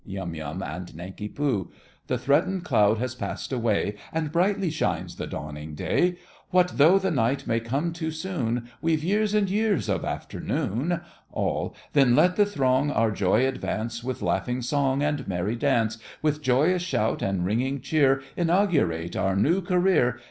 YUM. and NANK. The threatened cloud has passed away, And brightly shines the dawning day; What though the night may come too soon, We've years and years of afternoon! ALL. Then let the throng Our joy advance, With laughing song And merry dance, With joyous shout and ringing cheer, Inaugurate our new career!